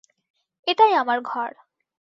এটাই আমার ঘর!